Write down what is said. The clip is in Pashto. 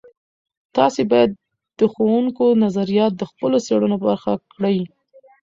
تاسې باید د ښوونکو نظریات د خپلو څیړنو برخه کړئ.